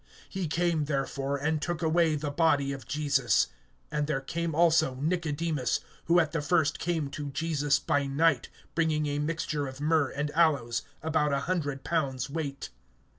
He came therefore, and took away the body of Jesus. (39)And there came also Nicodemus, who at the first came to Jesus by night, bringing a mixture of myrrh and aloes, about a hundred pounds weight.